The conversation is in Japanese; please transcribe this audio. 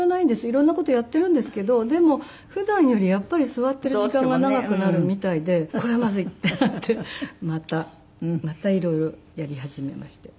色んな事やっているんですけどでも普段よりやっぱり座っている時間が長くなるみたいでこれはまずいってなってまた色々やり始めまして。